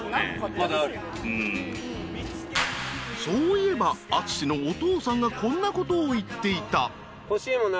［そういえば淳のお父さんがこんなことを言っていた］